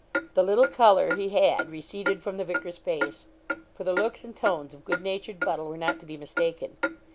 The little colour he had receded from the vicar's face, for the looks and tones of good natured Buddle were not to be mistaken.